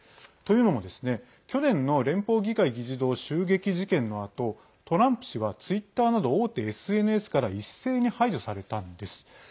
というのも、去年の連邦議会議事堂襲撃事件のあとトランプ氏はツイッターなど大手ＳＮＳから一斉に排除されたんです。